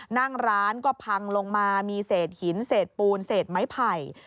นั่งร้านก็พังลงมามีเศษหินเศษปูนเศษไม้ไผ่